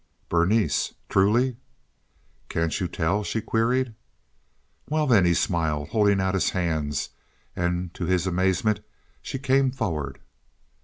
"Berenice! Truly?" "Can't you tell?" she queried. "Well, then," he smiled, holding out his hands; and, to his amazement, she came forward.